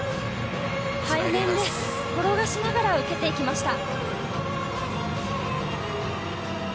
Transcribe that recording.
背面で転がしながら受けていきました。